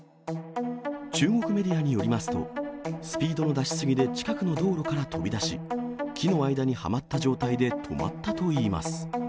中国メディアによりますと、スピードの出し過ぎで近くの道路から飛び出し、木の間にはまった状態で止まったといいます。